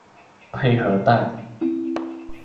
佩和代。